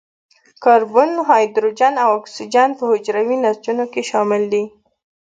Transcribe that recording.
کاربن، هایدروجن او اکسیجن په حجروي نسجونو کې شامل دي.